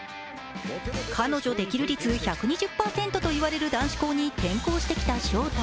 彼女できる率１２０％といわれる男子校に転校してきた勝太。